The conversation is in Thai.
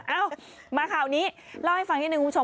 เอ้ามาข่าวนี้เล่าให้ฟังนิดนึงคุณผู้ชม